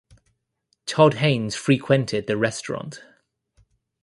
Todd Haynes frequented the restaurant.